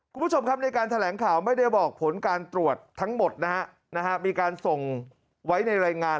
คุณผู้ชมครับในการแถลงข่าวไม่ได้บอกผลการตรวจทั้งหมดนะฮะมีการส่งไว้ในรายงาน